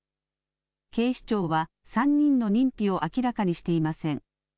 警視庁は３人の認否を明らかにしていません。